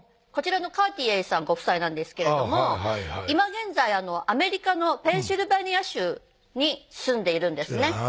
こちらのカーティエィさんご夫妻なんですけれども今現在アメリカのペンシルベニア州に住んでいるんですね